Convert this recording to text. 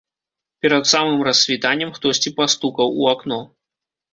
Перад самым рассвітаннем хтосьці пастукаў у акно.